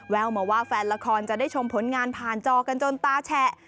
แววมาว่าแฟนละครจะได้ชมผลงานผ่านจอกันจนตาแฉะ